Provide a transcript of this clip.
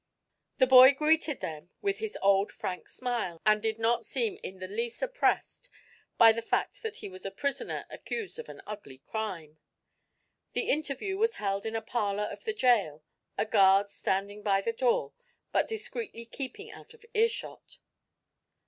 The boy greeted them with his old frank smile and did not seem in the least oppressed by the fact that he was a prisoner accused of an ugly crime. The interview was held in a parlor of the jail, a guard standing by the door but discreetly keeping out of earshot.